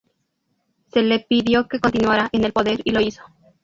Se le pidió que continuara en el poder y lo hizo.